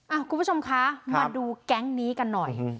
อ่ะคุณผู้ชมคะครับมาดูแก๊งนี้กันหน่อยอืม